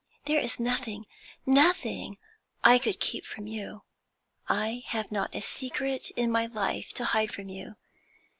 There is nothing, nothing I could keep from you. I have not a secret in my life to hide from you.